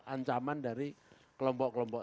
ancaman dari kelombok kelombok